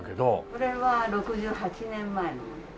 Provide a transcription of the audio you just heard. これは６８年前のものです。